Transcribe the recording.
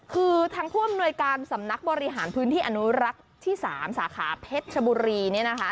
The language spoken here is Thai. คือทางผู้อำนวยการสำนักบริหารพื้นที่อนุรักษ์ที่๓สาขาเพชรชบุรีเนี่ยนะคะ